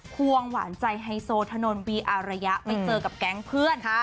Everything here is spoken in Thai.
ควงหวานใจไฮโซถนนวีอารยะไปเจอกับแก๊งเพื่อน